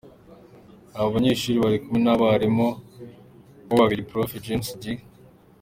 Aba banyeshuri bari kumwe n’abarimu ba bo babiri, Prof James G.